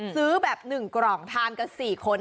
ซื้อแบบ๑กล่องทานกัน๔คน